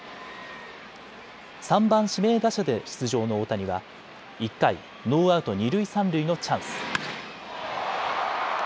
３番・指名打者で出場の大谷は１回、ノーアウト二塁三塁のチャンス。